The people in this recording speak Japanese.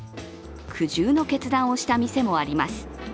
苦渋の決断をした店もあります。